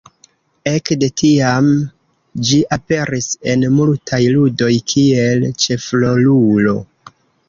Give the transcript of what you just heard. Ekde tiam, ĝi aperis en multaj ludoj kiel ĉefrolulo.